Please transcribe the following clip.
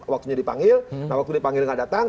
waktunya dipanggil nah waktu dipanggil nggak datang